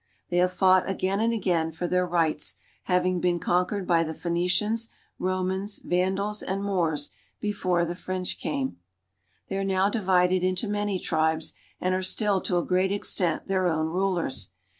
They have fought again and again for their rights, having been conquered by the Phoenicians, Romans, Vandals, and Moors before the JPrench came. i^' They are now divided into many tribes, and are still to I great extent their own rulers.